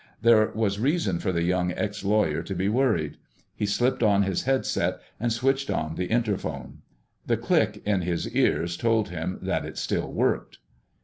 There was reason for the young ex lawyer to be worried. He slipped on his headset and switched on the interphone. The click in his ears told him that it still worked.